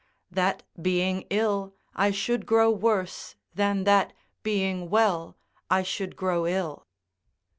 [That, being ill, I should grow worse, than that, being well, I should grow ill.